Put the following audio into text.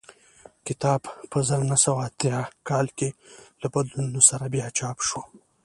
کتاب په زر نه سوه اتیا کال کې له بدلونونو سره بیا چاپ شو